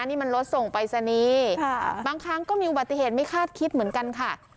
นี่มันรถส่งปรายศนีย์บางครั้งก็มีอุบัติเหตุไม่คาดคิดเหมือนกันค่ะ